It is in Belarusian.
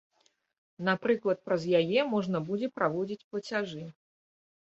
Напрыклад, праз яе можна будзе праводзіць плацяжы.